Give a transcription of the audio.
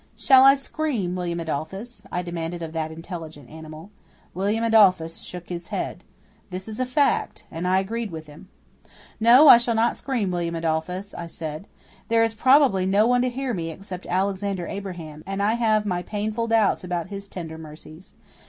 "Shall I scream, William Adolphus?" I demanded of that intelligent animal. William Adolphus shook his head. This is a fact. And I agreed with him. "No, I shall not scream, William Adolphus," I said. "There is probably no one to hear me except Alexander Abraham, and I have my painful doubts about his tender mercies.